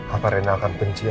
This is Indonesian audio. apa rena akan benci